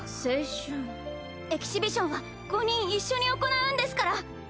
エキシビションは５人一緒に行うんですから！